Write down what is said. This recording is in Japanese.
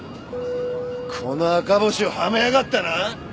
この赤星をはめやがったな！？